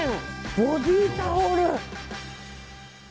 ボディータオル？